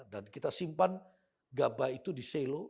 dan kita simpan gabah itu di selu